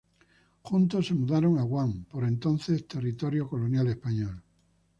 Juntos, se mudaron a Guam, por entonces un territorio colonial español.